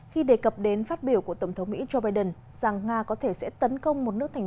một mươi hai khi đề cập đến phát biểu của tổng thống mỹ joe biden rằng nga có thể sẽ tấn công một nước thành